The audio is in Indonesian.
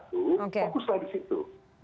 fokuslah di situ